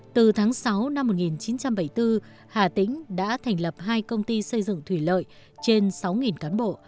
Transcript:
từ tháng sáu năm một nghìn chín trăm bảy mươi bốn hà tĩnh đã thành lập hai công ty xây dựng thủy lợi trên sáu cán bộ